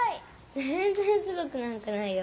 ぜんぜんすごくなんかないよ。